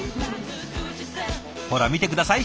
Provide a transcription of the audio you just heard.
ほら見て下さい。